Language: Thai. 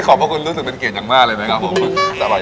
โอ้โหกรับคุณรู้สึกเป็นเกียรติจังมากเลยไหมครับ